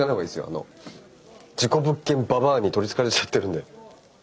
あの事故物件ババァに取りつかれちゃってるんで。